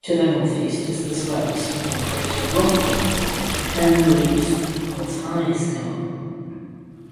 To the northeast is the slightly smaller crater Rothmann and the Rupes Altai scarp.